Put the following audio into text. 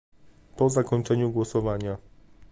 Po zakończeniu głosowania